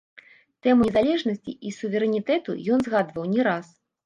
Тэму незалежнасці і суверэнітэту ён згадваў не раз.